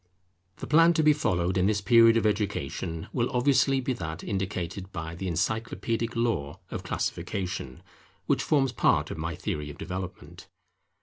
The plan to be followed in this period of education, will obviously be that indicated by the encyclopædic law of Classification, which forms part of my Theory of Development.